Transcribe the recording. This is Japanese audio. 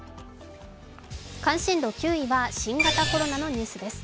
関心度９位は新型コロナのニュースです。